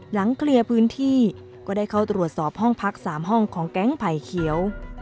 เคลียร์พื้นที่ก็ได้เข้าตรวจสอบห้องพัก๓ห้องของแก๊งไผ่เขียว